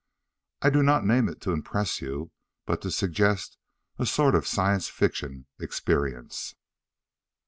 I do not name it to impress you, but to suggest a sort of science fiction experience.